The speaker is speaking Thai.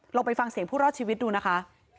ไปฟังเสียงผู้รอดชีวิตดูนะคะ